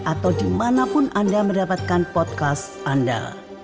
atau dimanapun anda mendapatkan podcast anda